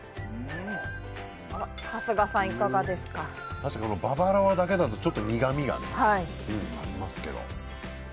確かにババロアだけだと苦みがありますけど。